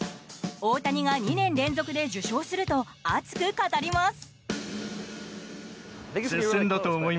大谷が２年連続で受賞すると熱く語ります。